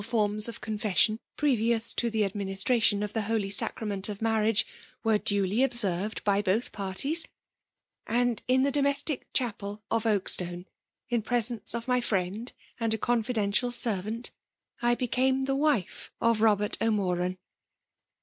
forms of confession previous to the administratioii dF the Holy Sacrament of Marriage, were dvly observed by both parties; 'and, in the do* mestic chapel of Oakstone, in presence of my friend and a confidential servant, I became FBMALV DOMINATION.. 299. tiie V9ik of Bobert O'Maraii.